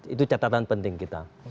itu catatan penting kita